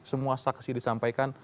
semua saksi disampaikan